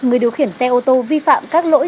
người điều khiển xe ô tô vi phạm các lỗi